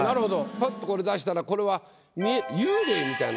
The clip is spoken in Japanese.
パッとこれ出したらこれは幽霊みたいな感じ。